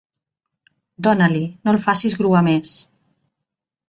Dona-l'hi: no el facis gruar més.